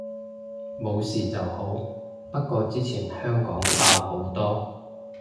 冇事就好，不過之前香港爆好多